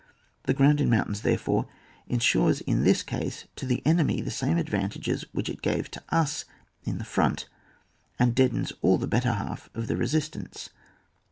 The ground in mountains, therefore, ensures in this case to the enemy the same advantages which it gave to us in the fh)nt, and deadens all the better half of the resistance.